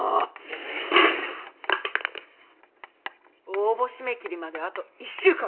応募締め切りまであと１週間！